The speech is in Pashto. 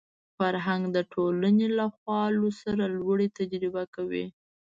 فرهنګ د ټولنې له خوالو سره لوړې تجربه کوي